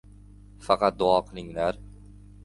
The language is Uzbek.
Faqat, duo qilinglar.